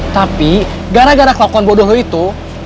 tapi gara gara kelakuan bodoh lo itu